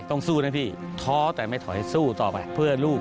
สู้นะพี่ท้อแต่ไม่ถอยสู้ต่อไปเพื่อลูก